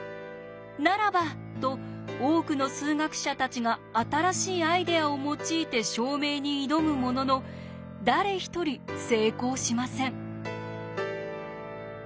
ならばと多くの数学者たちが新しいアイデアを用いて証明に挑むものの誰一人成功しません。